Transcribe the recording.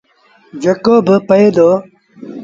جيڪو با پيٚئي دو ۔